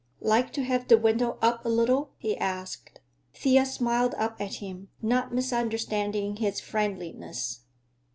"Like to have the window up a little?" he asked. Thea smiled up at him, not misunderstanding his friendliness.